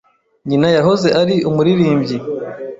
Nyina yahoze ari umuririmbyi.